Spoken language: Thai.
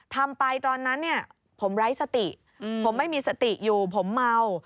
ทำไปตอนนั้นเนี่ยผมไร้สติผมไม่มีสติอยู่ผมเมา